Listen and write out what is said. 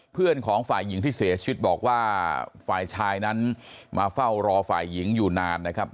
เพื่อนของฝ่ายหญิงที่เสียชีวิตบอกว่าฝ่ายชายนั้นมาเฝ้ารอฝ่ายหญิงอยู่นานนะครับ